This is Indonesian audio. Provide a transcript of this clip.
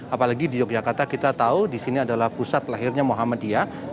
apalagi di yogyakarta kita tahu di sini adalah pusat lahirnya muhammadiyah